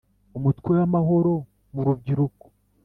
umutwe w amahoro m Urubyiruko